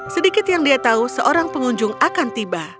sedikit yang dia tahu seorang pengunjung akan tiba